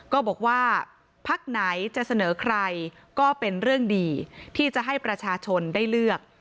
ก็บอกว่าพักไหนจะเสนอใครก็เป็นเรื่องดีที่จะให้ประชาชนได้เลือก